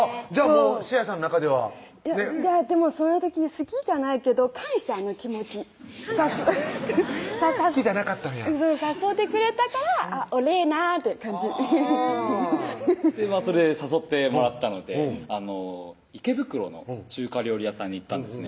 もう詩愛さんの中ではねっでもその時好きじゃないけど感謝の気持ち好きじゃなかったんや誘ってくれたからお礼なって感じフフフッそれで誘ってもらったので池袋の中華料理屋さんに行ったんですね